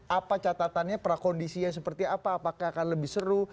apa catatannya prakondisinya seperti apa apakah akan lebih seru